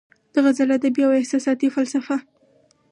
د غزل ادبي او احساساتي فلسفه